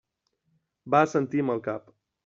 Va assentir amb el cap.